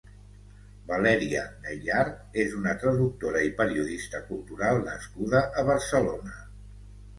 Valèria Gaillard és una traductora i periodista cultural nascuda a Barcelona.